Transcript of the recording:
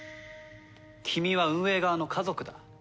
君は運営側の家族だ。